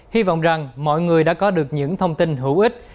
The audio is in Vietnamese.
hy vọng rằng mọi người đã có được những thông tin hữu ích